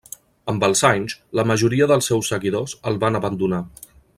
Amb els anys, la majoria dels seus seguidors el van abandonar.